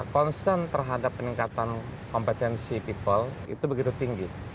concern terhadap peningkatan kompetensi people itu begitu tinggi